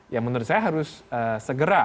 ya menurut saya harus segera